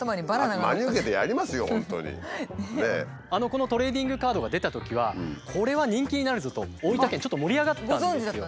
このトレーディングカードが出たときはこれは人気になるぞと大分県ちょっと盛り上がったんですよ。